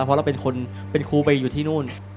เพราะเราเป็นคนเป็นครูไปอยู่ที่นู่น